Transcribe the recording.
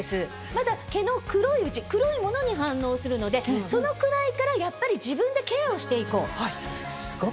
まだ毛の黒いうち黒いモノに反応するのでそのくらいからやっぱり自分でケアをしていこう。